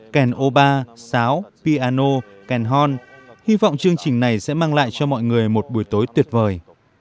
ken oba sáo piano ken hon hy vọng chương trình này sẽ mang lại cho mọi người một buổi tối tuyệt vời